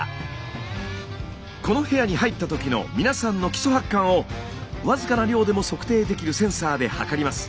この部屋に入ったときの皆さんの基礎発汗を僅かな量でも測定できるセンサーで測ります。